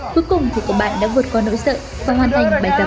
cuối cùng thì các bạn đã vượt qua nỗi sợ và hoàn thành bài tập